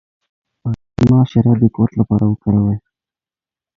د خرما شیره د قوت لپاره وکاروئ